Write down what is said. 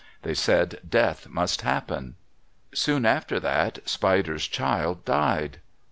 They said death must happen. Soon after that Spider's child died.